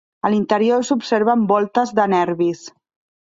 A l'interior s'observen voltes de nervis.